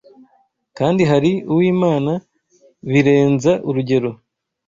kandi hari uwimana birenza urugero